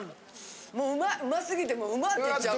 もううまいうますぎてうまって言っちゃう。